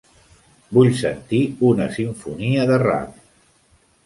Vull sentir una simfonia de Raf